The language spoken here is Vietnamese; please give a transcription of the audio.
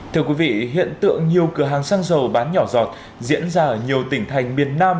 thưa quý vị hiện tượng nhiều cửa hàng xăng dầu bán nhỏ giọt diễn ra ở nhiều tỉnh thành miền nam